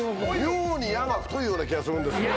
妙に矢が太いような気がするんだけど。